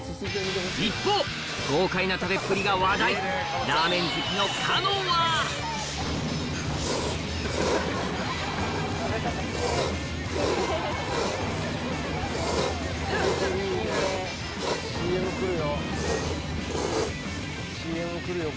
一方豪快な食べっぷりが話題ラーメン好きのかのはＣＭ来るよ。